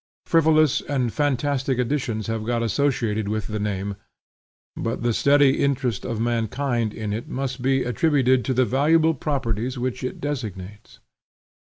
Frivolous and fantastic additions have got associated with the name, but the steady interest of mankind in it must be attributed to the valuable properties which it designates.